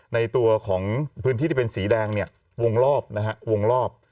ในตัวของพื้นที่ที่เป็นสีแดงเนี่ยวงรอบนะฮะวงรอบ